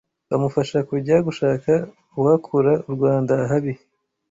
bamufasha kujya gushaka uwakura u Rwanda ahabi